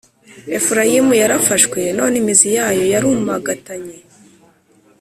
Efurayimu yarafashwe none imizi yayo yarumagatanye,